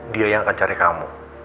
dia yang akan cari kamu